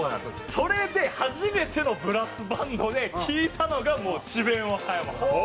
それで初めてのブラスバンドで聴いたのがもう智弁和歌山さん。